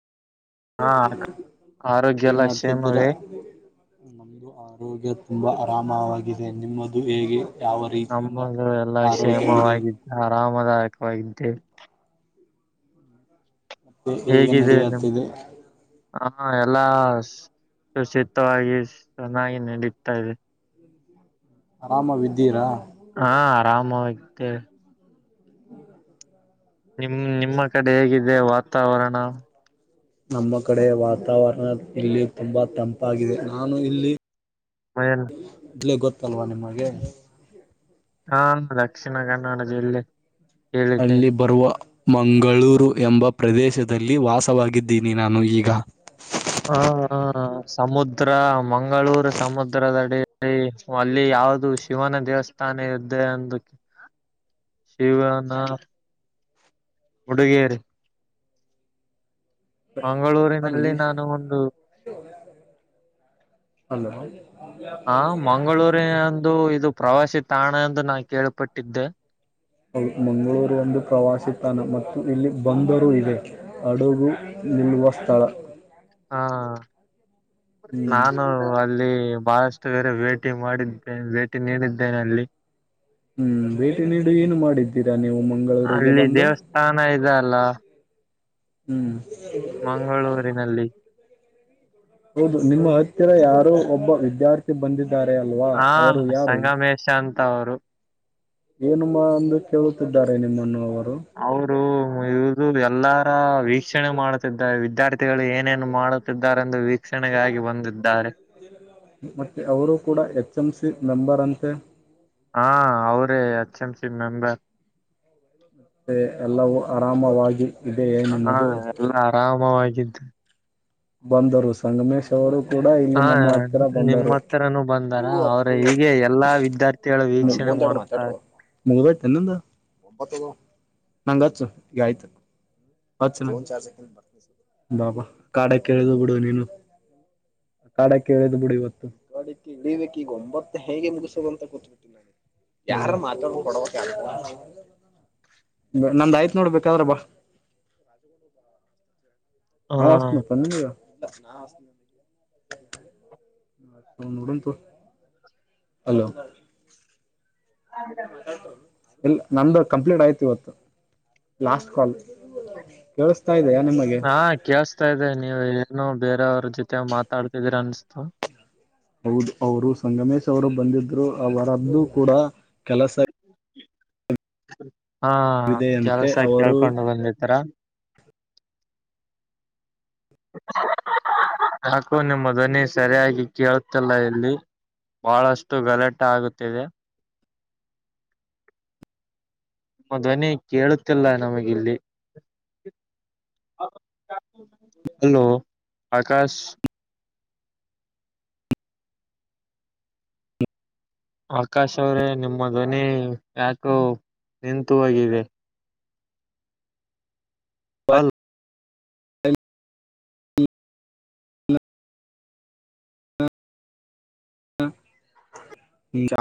ಹಾ ಆರೋಗ್ಯವೆಲಾ ಕ್ಷೇಮವೇ ನಮ್ಮದು ಆರೋಗ್ಯ ತುಂಬ ಆರಾಮವಾಗಿದೆ ನಿಮ್ಮದು ಹೇಗೆ? ಯಾವ ರೀತಿಯಿಂದ ನಮ್ಮದು ಎಲ್ಲಾ ಆರೋಗ್ಯವಿದೆ ಕ್ಷೇಮವಾಗಿದ್ದೆ ಆರಾಮದಾಯಕವಾಗಿದ್ದೆ. ಮತ್ತೆ ಹೇಗೆ ಹೇಗಿದೆ ನಿಮ ನಡೆಯುತ್ತಿದೆ ಹಾ ಎಲ್ಲಾ ಸುಸಿತವಾಗಿ ಚೆನ್ನಾಗಿ ನಡೀತಾ ಇದೆ. ಆರಾಮ ವಿದ್ದೀರಾ ಹಾ ಆರಾಮ ಆತೆ ಹುಂ ನಿಮ್ ನಿಮ್ಮ ಕಡೆ ಹೇಗಿದೆ ವಾತಾವರಣ ನಮ್ಮ ಕಡೆ ವಾತಾವರಣ ಇಲ್ಲಿ ತುಂಬಾ ತಂಪಾಗಿದೆ ನಾನು ಇಲ್ಲಿ. ಏನ್ ಇಲಿ ಗೊತ್ತತಲ್ವ ನಿಮಗೆೆ ಹಾ ದಕ್ಷಿಣ ಕನ್ನಡ ಜಿಲ್ಲೆ ಅಲ್ಲಿ ಕೇಳಿದ್ದೇನೆ ಬರುವ ಮಂಗಳೂರು ಎಂಬ ಪ್ರದೇಶದಲ್ಲಿ ವಾಸವಾಗಿದ್ದೀನಿ ನಾನು ಈಗಾ ಹಾ ಹಾ ಸಮುದ್ರ ಮಂಗಳೂರು ಸಮುದ್ರದಡಿ ಅಲ್ಲಿ ಯಾವ್ದು ಶಿವನ ದೇವಸ್ಥಾ ತಾನೇ ಇದ್ದೆ ಅಂದು ಶಿವನ ಉಡುಗೇರಿ ಮಂಗಳೂರಿನಲ್ಲಿ ಅಲ್ಲಿ ನಾನು ಒಂದು ಹಲೋ [unintelligible] ಅಂದು ಇದು ಪ್ರವಾಸಿ ತಾಣ ಎಂದು ನಾ ಕೇಳಪಟ್ಟಿದ್ದೆ ಮಂಗಳೂರು ಒಂದು ಪ್ರವಾಸಿ ತಾಣ ಮತ್ತು ಇಲ್ಲಿ ಬಂದರು ಇದೆ ಹಡುಗು ನಿಲ್ಲುವ ಸ್ಥಳ. ಹಾ ಹ್ಮ್ ನಾನು ಅಲ್ಲಿ ಬಹಳಷ್ಟು ಬೇರೆ ಭೇಟಿ ಮಾಡಿದ್ದೇನೆ ಭೇಟಿ ನೀಡಿದ್ದೇನೆ ಅಲ್ಲಿ ಹುಂ ಭೇಟಿ ನೀಡಿ ಏನು ಮಾಡಿದ್ದೀರಾ ನೀವು ಮ ಅಲ್ಲಿ ದೇವಸ್ಥಾನ ಇದೆ ಅಲ್ಲಾ ಹ್ಮ್ ಮಂಗಳೂರಿನಲ್ಲಿ. ಹೌದು ನಿಮ್ಮ ಹತ್ತಿರ ಯಾರೋ ಒಬ್ಬ ವಿದ್ಯಾರ್ಥಿ ಬಂದಿದ್ದಾರೆ ಅಲ್ವಾ ಅವರು ಯಾರು. ಶಾಂತ ಅವರು ಏನುಮ್ಮ ಅಂದು ಕೇಳುತ್ತಿದ್ದಾರೆ ನಿಮ್ಮನ್ನು ಅವರು. ಅವರು ಇದು ಎಲ್ಲಾರ ವೀಕ್ಷಣೆ ಮಾಡುತ್ತಿದ್ದಾರೆ ವಿದ್ಯಾರ್ಥಿಗಳು ಏನೇನು ಮಾಡುತ್ತಿದ್ದಾರೆಂದು. ವಿಕ್ಷಣೆಗಾಗಿ ಬಂದಿದ್ದಾರೆ. ಮತ್ತೆ ಅವರು ಕೂಡ ಎಚ್ ಎಂ ಸಿ ಮೆಂಬರ್ ಅಂತೆ. ಹಾ ಅವ್ರೇ ಎಚ್ ಎಂ ಸಿ ಮೆಂಬರ್. ಮತ್ತೆ ಎಲ್ಲವು ಆರಾಮವಾಗಿ. ಇದೆಯೇ ಹಾ ನಿಮ್ಮದು ಎಲ್ಲಾ ಆರಾಮವಾಗಿದ್ದು. ಬಂದರು. ಸಂಗಮೇಶ್ ಅವರು ಕೂಡ ಇಲ್ಲಿ ಹಾ ನಮ್ಮ ಹತ್ತಿರ ನಿಮ್ಮ ಬಂದರು. ಹತ್ರನೂ ಬಂದಾರ ಅವ್ರ ಹೀಗೆ ಎಲ್ಲಾ ವಿದ್ಯಾರ್ಥಿಗಳು ವೀಕ್ಷಣೆ ಮುಂದೆರಡು ಮಾಡುತ್ತಾರೆ ಮಾತಾಡ್ರೋ. ಮುಗಿದು ಹೋಯ್ತೆನು ನಿಂದು ನಂಗು ಹಚ್ಚು ಇದು ಆಯ್ತು. ಬಾಬಾ ಅಖಡಕ್ಕೆ ಇಳಿದು ಬಿಡು ನೀನು ಅಖಡಕ್ಕೆ ಇಳಿದ್ ಬಿಡು ಇವತ್ತು. ಯಾರ ಮಾತಾಡ ಕೊಡಬೇಕ. [unintelligible] ನಮ್ದು ಆಯ್ತು ನೋಡು ಬೇಕಾದ್ರೆ ಬಾ. ಹಾ ನಾ ಹಚ್ಚಿತಿನಪ್ಪ ನಿನಗ. [unintelligible] ಹಲೋ ಇಲ್ಲ ನಂದು ಕಂಪ್ಲೀಟ್ ಆಯ್ತ್ ಇವತ್ತು ಲಾಸ್ಟ್ ಕಾಲ್. ಕೇಳಿಸ್ತಾ ಇದೆಯಾ ನಿಮಗೆ ಹಾ ಕೇಳಿಸ್. ಇದೆ ನೀವು ಏನು ಬೇರೆಯವ್ರ ಜೊತೆ ಮಾತಾಡ್ತಿದೀರ ಅನಿಸ್ತು. ಹೌದು ಅವರು ಸಂಗಮೇಶ್ ಅವರು ಬಂದಿದ್ರು ಅವರದ್ದು ಕೂಡ ಕೆಲಸ. ಹಾ ಇದೆಯಂತೆ ಕೆಲಸ ಅವರು ಕೇಳ್ಕೊಂಡು ಬಂದಿದ್ರ. ಯಾಕೊ ನಿಮ್ಮ ಧ್ವನಿ ಸರಿಯಾಗಿ ಕೇಳುತಿಲ್ಲ ಇಲ್ಲಿ. ಬಹಳಷ್ಟು ಗಲಟೆ ಆಗುತ್ತಿದೆ. ನಿಮ್ಮ ಧ್ವನಿ ಕೇಳುತ್ತಿಲ್ಲ ನಮಗೆ ಇಲ್ಲಿ. ಹಲೋ ಆಕಾಶ್. ಆಕಾಶ್ ಅವ್ರೇ ನಿಮ್ಮ ಧ್ವನಿ ಯಾಕೋ ನಿಂತು ಹೋಗಿದೆ. ಹಲ್. [inaudible] [inaudible]